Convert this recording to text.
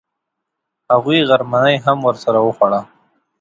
هغوی غرمنۍ هم سره وخوړه.